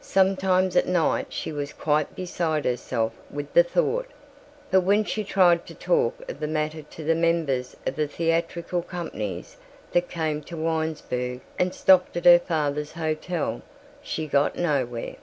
Sometimes at night she was quite beside herself with the thought, but when she tried to talk of the matter to the members of the theatrical companies that came to Winesburg and stopped at her father's hotel, she got nowhere.